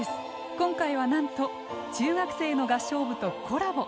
今回はなんと中学生の合唱部とコラボ。